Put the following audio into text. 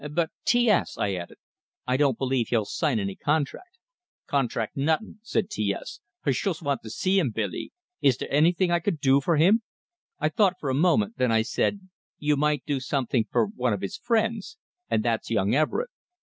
"But T S," I added, "I don't believe he'll sign any contract." "Contract nuttin'," said T S. "I shoost vant to see him, Billy. Is dere anyting I could do fer him?" I thought for a moment; then I said: "You might do something for one of his friends, and that's young Everett.